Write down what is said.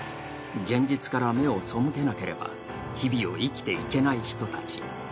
現実から目を背けなければ、日々を生きていけない人たち。